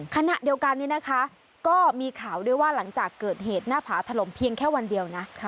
ขณะเดียวกันนี้นะคะก็มีข่าวด้วยว่าหลังจากเกิดเหตุหน้าผาถล่มเพียงแค่วันเดียวนะ